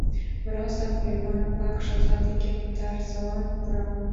Морозов лӱман вакш оза деке тарзылан пура.